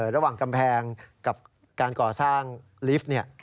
ระหว่างกำแพงกับการก่อสร้างลิฟต์